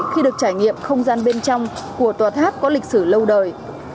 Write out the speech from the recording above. khi được trải nghiệm không gian bên trong của tòa tháp có lịch sử lâu đời